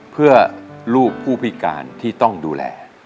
เพื่อลูกผู้พิการที่ต้องดูแล